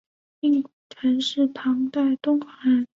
令狐澄是唐代敦煌人。